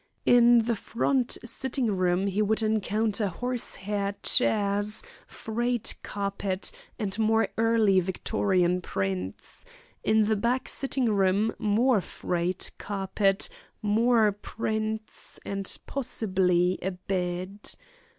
In the front sitting room he would encounter horse hair chairs, frayed carpet, and more early Victorian prints; in the back sitting room more frayed carpet, more prints, and possibly a bed.